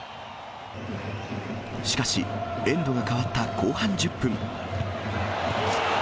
しかし、エンドが変わった後半１０分。